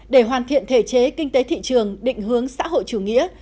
để hoàn thiện thể chế kinh tế thị trường định hướng xã hội chủ nghĩa